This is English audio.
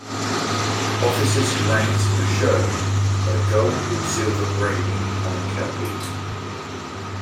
Officers' ranks were shown by gold or silver braiding on the kepi.